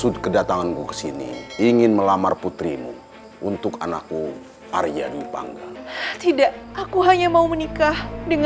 dan sepertinya muridnya selesai